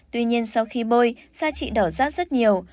tuy nhiên sau khi bôi da trị đỏ rát rất nhiều